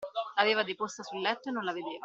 L'aveva deposta sul letto e non la vedeva.